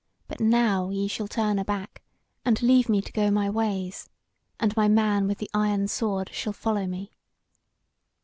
But now ye shall turn aback, and leave me to go my ways; and my man with the iron sword shall follow me.